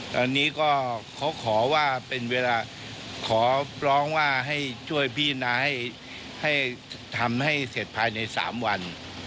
ตอนนี้ก็เขาขอว่าเป็นเวลาขอร้องว่าให้ช่วยพี่นาให้ทำให้เสร็จภายใน๓วัน